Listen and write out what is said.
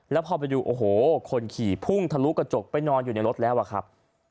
แล้วพอไปดูโอ้โหคนขี่พุ่งทะลุกระจกไปนอนอยู่ในรถแล้วอะครับ